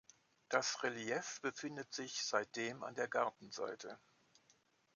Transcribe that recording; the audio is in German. Das Relief befindet sich seitdem an der Gartenseite.